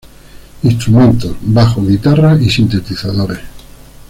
Instrumentos: bajo, guitarra y sintetizadores.